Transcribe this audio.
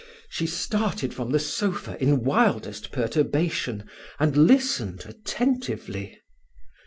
She started from the sofa in wildest perturbation, and listened attentively.